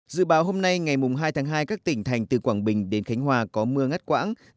dự báo hôm nay ngày hai tháng hai các tỉnh thành từ quảng bình đến khánh hòa có mưa ngắt quãng